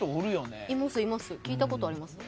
聞いたことあります。